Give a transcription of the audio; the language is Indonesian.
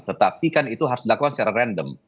tetapi kan itu harus dilakukan secara random